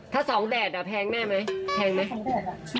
ถ้า๒แดดแพงแน่ไหมแพงไหม